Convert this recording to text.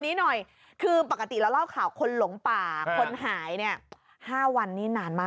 นี้หน่อยคือปกติเราเล่าข่าวคนหลงป่าคนหายเนี่ย๕วันนี้นานมาก